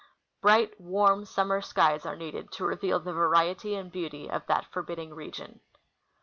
Bright, warm, summer skies are needed to reveal the variet}' and beauty of that forbidding region.